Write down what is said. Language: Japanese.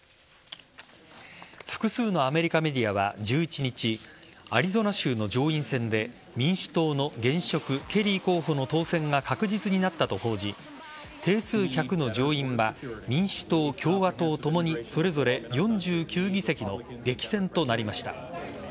複数のアメリカメディアは１１日アリゾナ州の上院選で民主党の現職ケリー候補の当選が確実になったと報じ定数１００の上院は民主党、共和党ともにそれぞれ４９議席の激戦となりました。